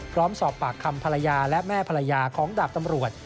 พร้อมสอบปากคำภรรยาและแม่ภรรยาของดาบตำรวจ